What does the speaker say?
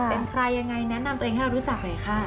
เป็นใครยังไงแนะนำตัวเองให้เรารู้จักหน่อยค่ะ